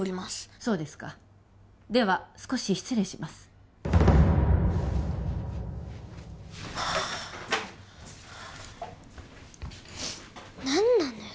そうですかでは少し失礼しますはあ何なのよ